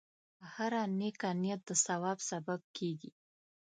هره نیکه نیت د ثواب سبب کېږي.